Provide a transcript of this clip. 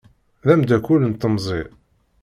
D amdakel n temẓi.